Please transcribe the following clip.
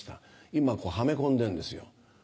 今はめ込んでんですよ。